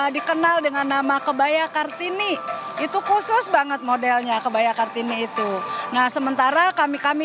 dikenal dengan nama kebaya kartini itu khusus banget modelnya kebaya kartini itu nah sementara kami kami